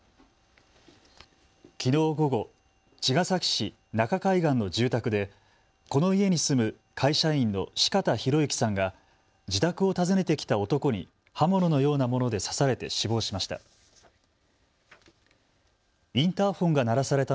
きのう午後、茅ヶ崎市中海岸の住宅でこの家に住む会社員の四方洋行さんが自宅を訪ねてきた男に刃物のようなもので刺されて死亡しました。